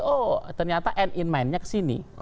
oh ternyata end in mind nya ke sini